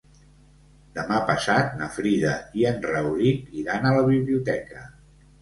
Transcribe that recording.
Demà passat na Frida i en Rauric iran a la biblioteca.